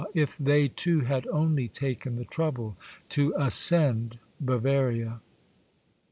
if they too had only taken the trouble to ascend Bavaria.